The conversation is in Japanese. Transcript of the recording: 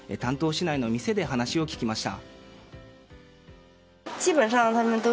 市内の店で話を聞きました。